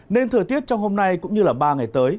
nên thời tiết trong hôm nay cũng như ba ngày tới